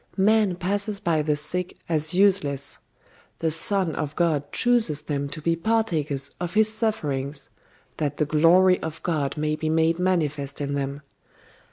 Man passes by the sick as useless: The Son of God chooses them to be partakers of His sufferings, that the glory of God may be made manifest in them.